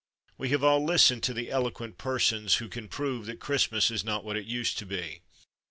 We have all listened to the eloquent persons who can prove that Christmas is not what it used to be.